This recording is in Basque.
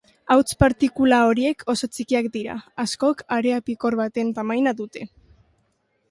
Hauts partikula horiek oso txikiak dira, askok harea-pikor baten tamaina dute.